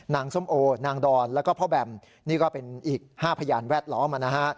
ส้มโอนางดอนแล้วก็พ่อแบมนี่ก็เป็นอีก๕พยานแวดล้อมนะฮะ